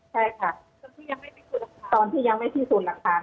ใช่ค่ะตอนที่ยังไม่ที่สุดหลังคา